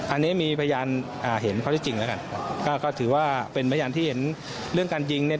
อันนี้มีพยานอ่าเห็นข้อที่จริงแล้วกันก็ก็ถือว่าเป็นพยานที่เห็นเรื่องการยิงเนี่ย